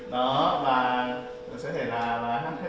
đó và sẽ thể là năm tháng tiếp ở đây đúng không